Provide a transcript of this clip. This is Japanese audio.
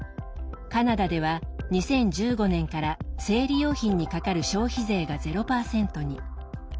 カナダでは２０１５年から生理用品にかかる消費税が０％に。